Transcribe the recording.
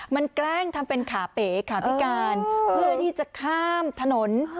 มันแกล้งทำเป็นขาเป๋ขาพิการเพื่อที่จะข้ามถนน